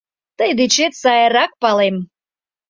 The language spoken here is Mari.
Тый дечет сайрак палем.